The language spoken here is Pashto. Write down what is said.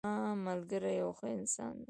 زما ملګری یو ښه انسان ده